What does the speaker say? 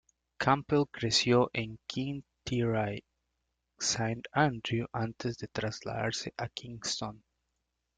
Campbell creció en Kintyre, Saint Andrew antes de trasladarse a Kingston.